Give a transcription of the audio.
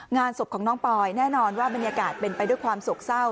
งานศพของน้องปอยแน่นอนว่าบรรยากาศเป็นไปด้วยความโศกเศร้า